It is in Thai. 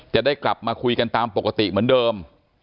จะได้กลับมาคุยกันตามปกติเหมือนเดิม